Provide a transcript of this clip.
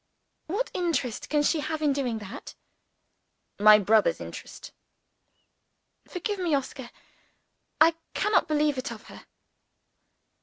"What interest can she have in doing that?" "My brother's interest." "Forgive me, Oscar. I cannot believe it of her."